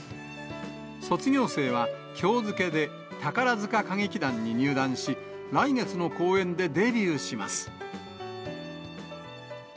卒業生は、きょう付けで宝塚歌劇団に入団し、来月の公演でデビューします。